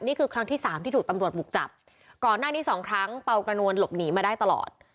นี่คือครั้งที่สามที่ถูกตำรวจบุกจับก่อนหน้านี้สองครั้งเปล่ากระนวลหลบหนีมาได้ตลอด